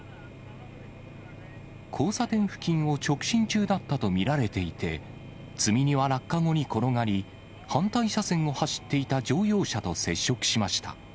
交差点付近を直進中だったと見られていて、積み荷は落下後に転がり、反対車線を走っていた乗用車と接触しました。